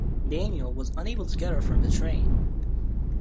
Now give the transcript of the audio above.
Daniel was unable to get her from the train.